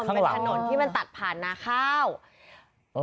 ข้างหลังมันเป็นถนนที่มันตัดผ่านนาข้าวเออ